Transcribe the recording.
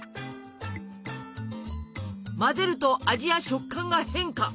混ぜると味や食感が変化！